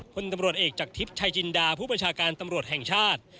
คนตำรวจเอกจากทิพย์ชายจินดาผู้ประชาการตำรวจแห่งชาติ